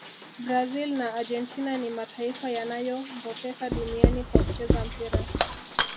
brazil na argentina ni mataifa yanayogopeka duniani kwa kucheza mpira